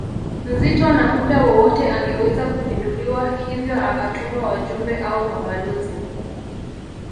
nzito na muda wowote angeweza kupinduliwa hivyo akatuma wajumbe au mabalozi